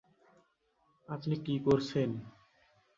আপনি কী করছেন?